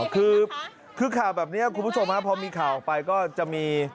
คือข่าวแบบนี้คุณผู้ชมพอมีข่าวออกไปก็จะมี